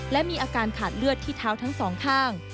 และมีอาการขาดเลือดที่เท้าทั้งสองข้าง